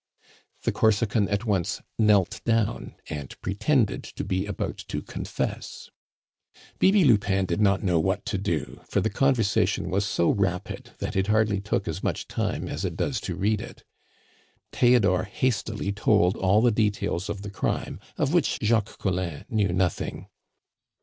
The Corsican at once knelt down and pretended to be about to confess. Bibi Lupin did not know what to do, for the conversation was so rapid that it hardly took as much time as it does to read it. Theodore hastily told all the details of the crime, of which Jacques Collin knew nothing.